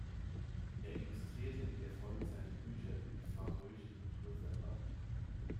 Er illustrierte in der Folge seine Bücher über die färöische Natur selber.